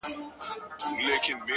• خو څرنګه چي د پښتو په ژبه کي ,